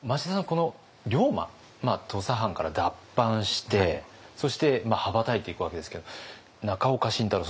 この龍馬土佐藩から脱藩してそして羽ばたいていくわけですけど中岡慎太郎